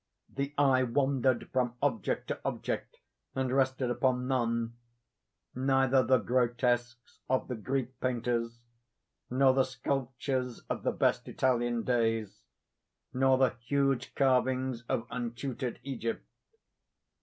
The eye wandered from object to object, and rested upon none—neither the grotesques of the Greek painters, nor the sculptures of the best Italian days, nor the huge carvings of untutored Egypt.